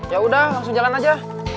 yaudah langsung jalan aja